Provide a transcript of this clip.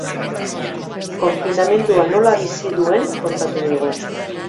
Konfinamendua nola bizi duen kontatu digu.